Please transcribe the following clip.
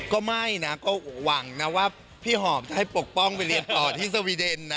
ก็ไม่นะก็หวังนะว่าพี่หอมจะให้ปกป้องไปเรียนต่อที่สวีเดนนะ